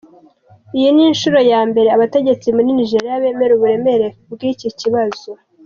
Iyi ni inshuro ya mbere abategetsi muri Nijeriya bemera uburemere bw'iki kibazo.